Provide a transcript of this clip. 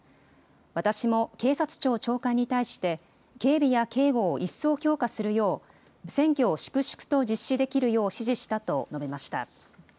私も警察庁長官に対して、警備や警護を一層強化するよう、選挙を粛々と実施できるよう指示したと述べました。